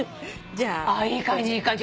あいい感じいい感じ。